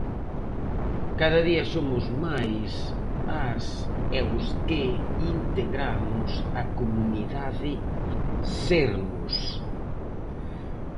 Cada día somos máis as e os que integramos a Comunidade Sermos.